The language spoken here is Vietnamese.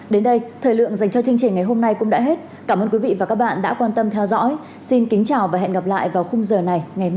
đến đây thời lượng dành cho chương trình ngày hôm nay cũng đã hết cảm ơn quý vị và các bạn đã quan tâm theo dõi xin kính chào và hẹn gặp lại vào khung giờ này ngày mai